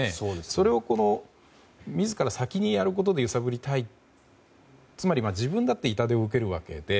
それを自ら先にやることで揺さぶりたい、つまり自分だって痛手を受けるわけで。